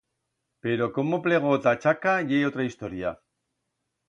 Pero cómo plegó ta Chaca ye otra historia.